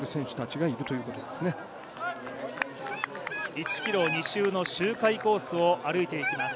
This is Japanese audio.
１ｋｍ２周の周回コースを歩いていきます。